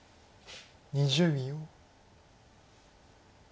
２０秒。